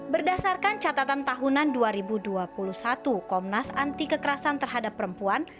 berdasarkan catatan tahunan dua ribu dua puluh satu komnas anti kekerasan terhadap perempuan